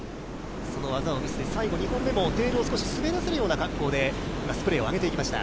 その技を見せて、最後もテールを少し見せて、２本目も滑り出せるような格好でスプレーを上げていきました。